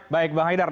baik bang haidar